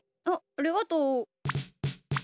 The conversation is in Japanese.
あっありがとう。